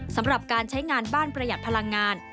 สำหรับการใช้งานบ้านประหยัดพลังงาน